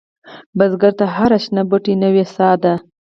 بزګر ته هره شنه بوټۍ نوې سا ده